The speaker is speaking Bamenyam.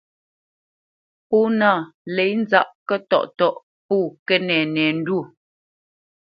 Pó nâ lě nzâʼ kətɔʼtɔ́ʼ pô kənɛnɛndwó.